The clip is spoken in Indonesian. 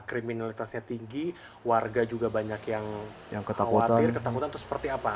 kriminalitasnya tinggi warga juga banyak yang khawatir ketakutan atau seperti apa